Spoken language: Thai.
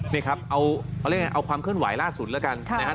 นี่ครับเอาความเคลื่อนไหวล่าสุดแล้วกันนะครับ